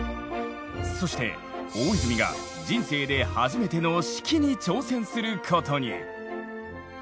そして大泉が人生で初めての指揮に挑戦することに！